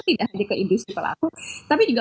tidak hanya ke industri pelaku tapi juga